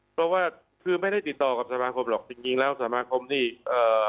เพราะว่าคือไม่ได้ติดต่อกับสมาคมหรอกจริงจริงแล้วสมาคมนี่เอ่อ